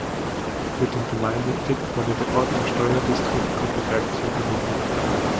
Mit dem Gemeindeedikt wurde der Ort dem Steuerdistrikt Guttenberg zugewiesen.